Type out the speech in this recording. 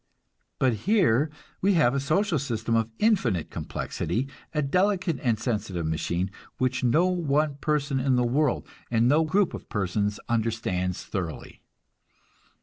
But here we have a social system of infinite complexity, a delicate and sensitive machine, which no one person in the world, and no group of persons understands thoroughly.